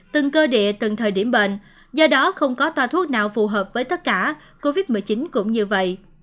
từng cơ địa từng thời điểm bệnh do đó không có toa thuốc nào phù hợp với tất cả covid một mươi chín cũng như vậy